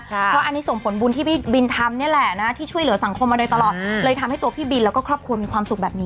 เพราะอันนี้ส่งผลบุญที่บินทำนี่แหละน่ะ